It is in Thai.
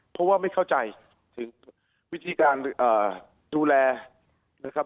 เพราะว่าไม่เข้าใจถึงวิธีการดูแลนะครับ